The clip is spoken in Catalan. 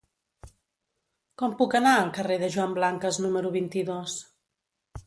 Com puc anar al carrer de Joan Blanques número vint-i-dos?